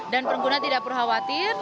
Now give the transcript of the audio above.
dan pengguna tidak perlu khawatir